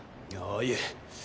いえ。